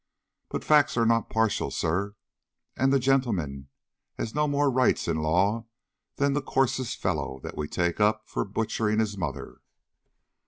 But facts are not partial, sir; and the gentleman has no more rights in law than the coarsest fellow that we take up for butchering his mother.